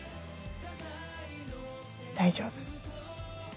大丈夫。